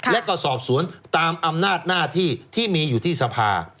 และก็สอบสวนตามอำนาจหน้าที่ที่มีอยู่ที่สภา